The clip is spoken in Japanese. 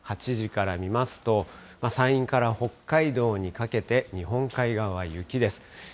８時から見ますと、山陰から北海道にかけて、日本海側は雪です。